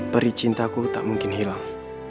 peri cintaku tak mungkin hilang